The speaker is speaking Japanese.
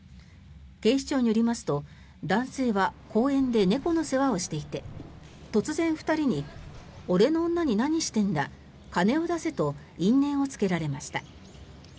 警視庁によりますと男性は公園で猫の世話をしていて突然２人に俺の女に何してんだ、金を出せと因縁をつけられました。